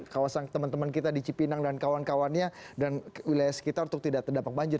kawasan teman teman kita di cipinang dan kawan kawannya dan wilayah sekitar untuk tidak terdampak banjir